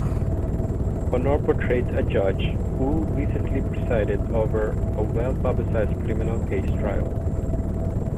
Aunor portrayed a judge who recently presided over a well publicized criminal case trial.